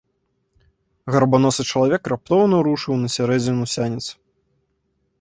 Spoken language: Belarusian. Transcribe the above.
Гарбаносы чалавек раптоўна рушыў на сярэдзіну сянец.